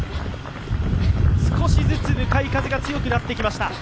少しずつ向かい風が強くなってきました。